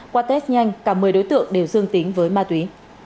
qua test nhanh cả một mươi đối tượng đều dương tính với ma túy